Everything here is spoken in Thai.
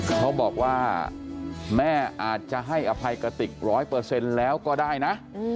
เขาบอกว่าแม่อาจจะให้อภัยกะติกร้อยเปอร์เซ็นต์แล้วก็ได้นะ